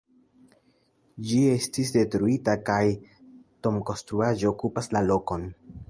Ĝi estis detruita kaj domkonstruaĵo okupas la lokon.